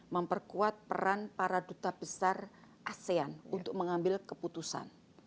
memperkuat peran para duta besar asean untuk mengambil keputusan